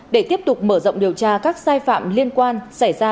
để tiếp tục mở rộng điều tra các sai phạm liên quan xảy ra